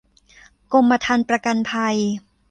กรมธรรม์ประกันภัย